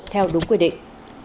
theo đúng quy định